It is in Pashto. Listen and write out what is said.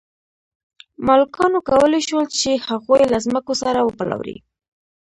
مالکانو کولی شول چې هغوی له ځمکو سره وپلوري.